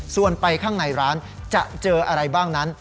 ส่วนไปข้างในร้านจะเจออะไรบ้างนั้น